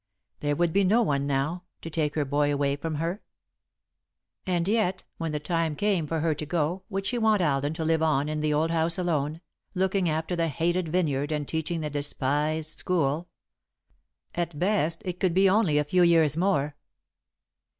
There would be no one, now, to take her boy away from her. And yet, when the time came for her to go, would she want Alden to live on in the old house alone, looking after the hated vineyard and teaching the despised school? At best, it could be only a few years more.